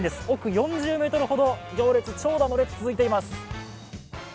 奥４０ｍほど行列、長蛇の列、続いています。